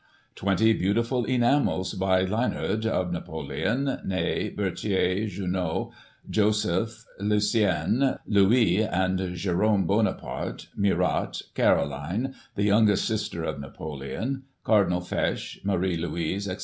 Twenty beautiful enamels by Lienard, of Napoleon, Ney, Berthier, Junot, Joseph, Lucien, Louis and Jerome Bonaparte, Murat, Caroline, the youngest sister of Napoleon, Cardinal Fesch, Marie Louise, etc.